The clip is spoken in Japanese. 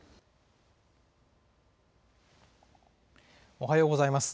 おはようございます。